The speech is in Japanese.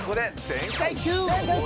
全開Ｑ！